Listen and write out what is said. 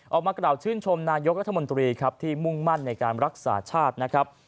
ออกมากล่าวชื่นชมนายกรัฐมนตรีครับที่มุ่งมั่นในการรักษาชาตินะครับ